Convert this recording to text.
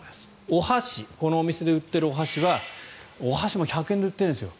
お箸このお店で売っているお箸はお箸も１００円で売ってるんですよ。